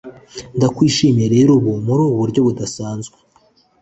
ndakwishimiye rero ubu, muri ubu buryo budasanzwe,